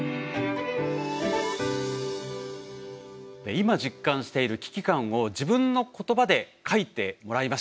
今実感している危機感を自分の言葉で書いてもらいました。